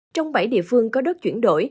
trong bảy địa phương có đất chuyển đổi